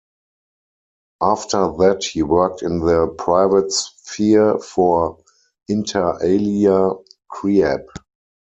After that he worked in the private sphere for, "inter alia", Kreab.